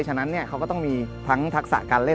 ฉะนั้นเขาก็ต้องมีทั้งทักษะการเล่น